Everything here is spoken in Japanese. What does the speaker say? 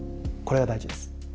これが大事です。